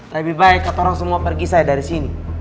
lebih baik katorang semua pergi saja dari sini